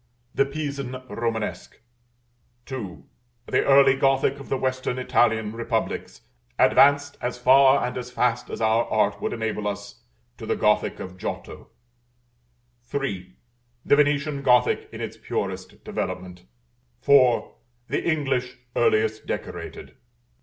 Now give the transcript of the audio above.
The Pisan Romanesque; 2. The early Gothic of the Western Italian Republics, advanced as far and as fast as our art would enable us to the Gothic of Giotto; 3. The Venetian Gothic in its purest developement; 4. The English earliest decorated.